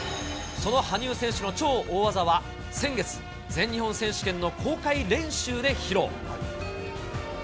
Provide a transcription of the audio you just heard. その羽生選手の超大技は先月、全日本選手権の公開練習で披露。